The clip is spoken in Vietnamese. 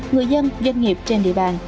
người dân doanh nghiệp trên địa bàn